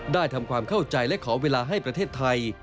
ทำความเข้าใจและขอเวลาให้ประเทศไทย